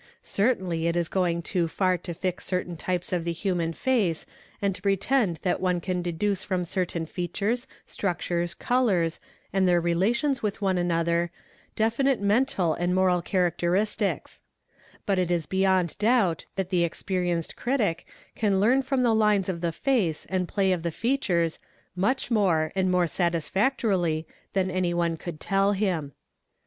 Certainly it is going too far to fix certain types of the human ce and to pretend that one can deduce from certain features, structures, Be icurs, and their relations with one another, definite mental and moral ee toriation: but it is beyond doubt that the experienced critic can Tearn from the lines of the face and play of the features much more, and 4 nore satisfactorily, than anyone could tell him.